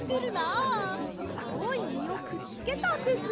あおいみをくっつけたんです。